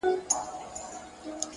پرمختګ د دوامداره هڅې حاصل دی